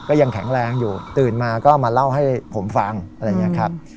ยังแข็งแรงอยู่ตื่นมาก็มาเล่าให้ผมฟังอะไรอย่างนี้ครับ